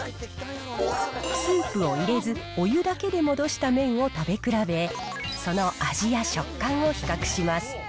スープを入れず、お湯だけで戻した麺を食べ比べ、その味や食感を比較します。